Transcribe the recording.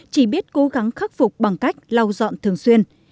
chỉ biết cố gắng khắc phục bằng cách lau dọn thường xuyên